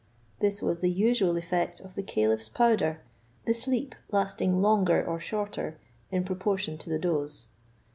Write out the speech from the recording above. This was the usual effect of the caliph's powder, the sleep lasting longer or shorter, in proportion to the dose.